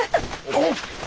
おっ。